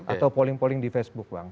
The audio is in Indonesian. atau polling polling di facebook bang